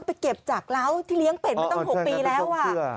บอกว่าไปเก็บจากแล้วที่เลี้ยงเป็ดมันต้อง๖ปีแล้ว